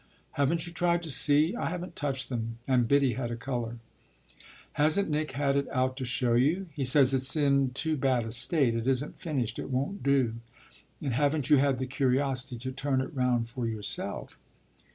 "Haven't you tried to see?" "I haven't touched them" and Biddy had a colour. "Hasn't Nick had it out to show you?" "He says it's in too bad a state it isn't finished it won't do." "And haven't you had the curiosity to turn it round for yourself?"